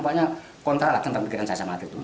pokoknya kontrol lah tentang pikiran saya sama atlet itu